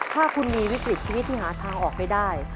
ถ้าคุณมีวิกฤตชีวิตที่หาทางออกไม่ได้